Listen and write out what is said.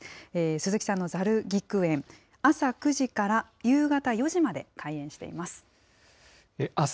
鈴木さんのざる菊園、朝９時から夕方４時まで開園しています。